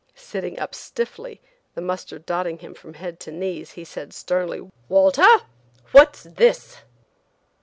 Sitting up stiffly, the mustard dotting him from head to knees, he said sternly: "Walter! What is this?"